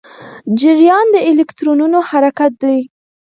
جریان د الکترونونو حرکت دی.